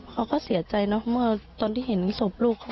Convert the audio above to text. เขาก็เสียใจเนอะเมื่อตอนที่เห็นศพลูก